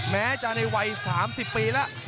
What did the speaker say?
แม้จะในวัย๓๐ปีแล้ว